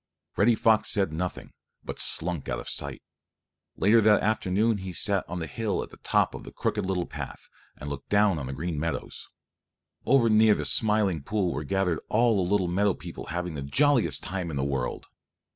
Reddy Fox said nothing, but slunk out of sight. Late that afternoon he sat on the hill at the top of the Crooked Little Path, and looked down on the Green Meadows. Over near the Smiling Pool were gathered all the little meadow people having the jolliest time in the world.